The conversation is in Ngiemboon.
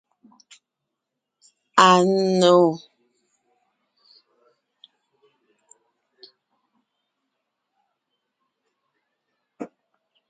Anò.